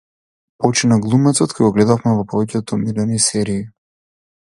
Почина глумецот кој го гледавме во повеќето омилени серии